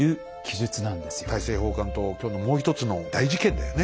大政奉還と今日のもう一つの大事件だよね。